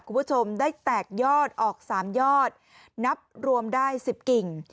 คุณผู้ชมได้แตกยอดออก๓ยอดนับรวมได้๑๐กิ่ง